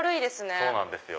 そうなんですよ。